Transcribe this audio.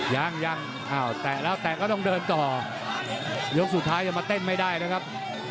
ยังยังอ้าวแตะแล้วแตะก็ต้องเดินต่อยกสุดท้ายยังมาเต้นไม่ได้นะครับ